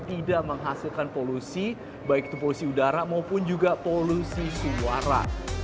tidak menghasilkan polusi baik itu polusi udara maupun juga polusi suara